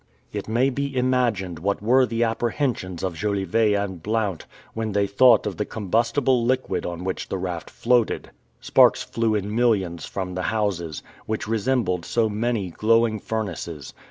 It may be imagined what were the apprehensions of Jolivet and Blount, when they thought of the combustible liquid on which the raft floated. Sparks flew in millions from the houses, which resembled so many glowing furnaces.